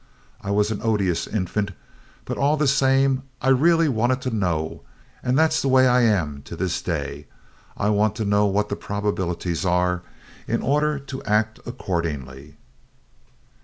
I was an odious infant, but all the same, I really wanted to know, and that's the way I am to this day! I want to know what the probabilities are, in order to act accordingly."